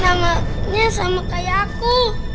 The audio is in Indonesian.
namanya sama kayak aku